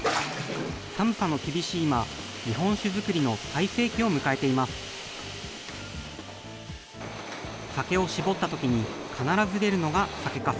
寒さの厳しい今、日本酒造りの最盛期を迎えています。